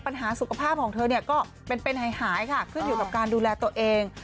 ปัญหาสุขภาพของเธอเนี่ยก็เป็นหายค่ะขึ้นอยู่กับการดูแลตัวเอง